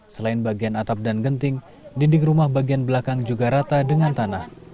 selain bagian atap dan genting dinding rumah bagian belakang juga rata dengan tanah